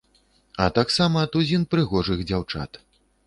А таксама тузін прыгожых дзяўчат.